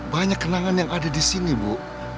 banyak kenangan yang ada di sini bu